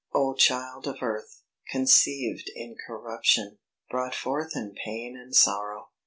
O Child of earth, conceived in corruption! Brought forth in pain and sorrow!